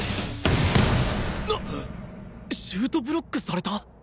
シュートブロックされた！？